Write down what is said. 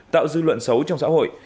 tạo dư luận xấu trong xã hội